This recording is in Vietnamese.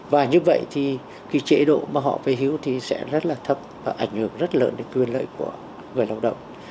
và như vậy thì chế độ mà họ phải hưu sẽ rất là thấp và ảnh hưởng rất lớn đến quyền lợi của người lao động